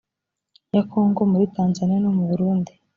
ya kongo muri tanzaniya no mu burundi